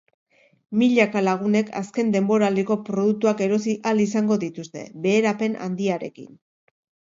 Milaka lagunek azken denboraldiko produktuak erosi ahal izango dituzte, beherapen handiarekin.